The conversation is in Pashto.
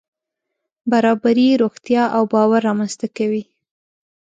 برابري روغتیا او باور رامنځته کوي.